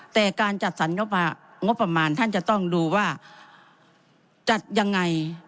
แต่การจัดสรรงบประมาณท่านจะต้องดูว่าจัดยังไง